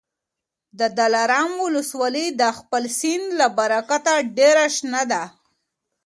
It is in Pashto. د دلارام ولسوالي د خپل سیند له برکته ډېره شنه ده.